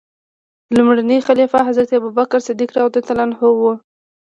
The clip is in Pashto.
لومړنی خلیفه حضرت ابوبکر صدیق رض و.